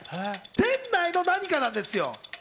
店内の何かなんですよ。